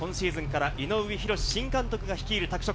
今シーズンから井上浩新監督が率いる拓殖。